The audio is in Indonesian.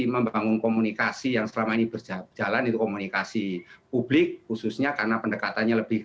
membangun komunikasi yang selama ini berjalan itu komunikasi publik khususnya karena pendekatannya lebih